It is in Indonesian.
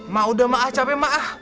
ma udah ma capek ma